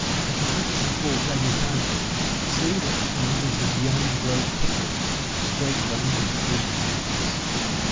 If an axe is bought ready handled, see that the helve is of young growth hickory, straight grained, and free from knots.